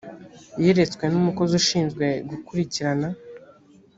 yeretswe n’umukozi ushinzwe gukurikirana